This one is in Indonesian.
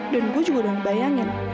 dan gue juga udah ngebayangin